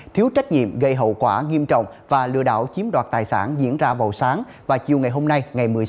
thiếu trách nhiệm gây hậu quả nghiêm trọng và lừa đảo chiếm đoạt tài sản diễn ra vào sáng và chiều hôm nay